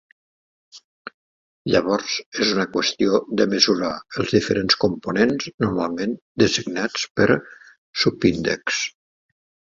Llavors és una qüestió de mesurar els diferents components, normalment designats per subíndexs.